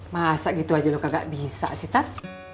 masa gitu aja lo kagak bisa sih tan